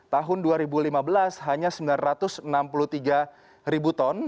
tahun dua ribu lima belas hanya sembilan ratus enam puluh tiga ribu ton